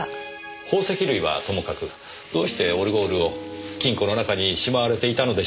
宝石類はともかくどうしてオルゴールを金庫の中にしまわれていたのでしょう？